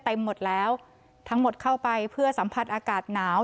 หมดแล้วทั้งหมดเข้าไปเพื่อสัมผัสอากาศหนาว